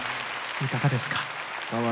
いかがですか？